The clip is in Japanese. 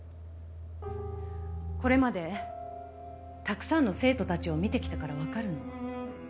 これまでたくさんの生徒たちを見てきたからわかるの。